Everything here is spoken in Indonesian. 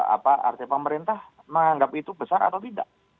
apa artinya pemerintah menganggap itu besar atau tidak